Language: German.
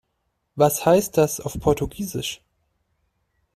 Was heißt das auf Portugiesisch?